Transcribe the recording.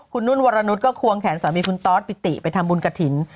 คุณนุ่นวรนุษย์ก็ควงแขนสามีคุณตอสปิติไปทำบุญกระถิ่น